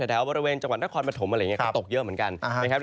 แถวบริเวณจังหวัดนครปฐมอะไรอย่างนี้ก็ตกเยอะเหมือนกันนะครับ